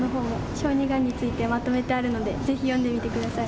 小児がんについてまとめてあるので、ぜひ読んでみてください。